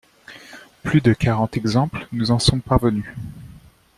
Plus de quarante exemples nous en sont parvenus.